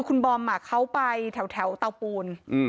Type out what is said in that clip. คุณบอมเขาไปแถวเตาปูน